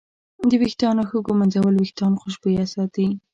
د ویښتانو ښه ږمنځول وېښتان خوشبویه ساتي.